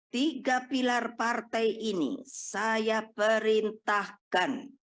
tiga pilar partai ini saya perintahkan